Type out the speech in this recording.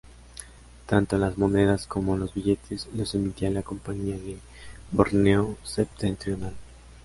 Tanto las monedas como los billetes los emitía la Compañía de Borneo Septentrional.